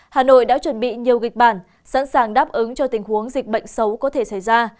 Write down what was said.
hà nội đã chuẩn bị nhiều kịch bản sẵn sàng đáp ứng cho tình huống dịch bệnh xấu có thể xảy ra